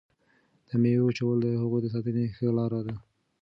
د میوو وچول د هغوی د ساتنې ښه لاره ده.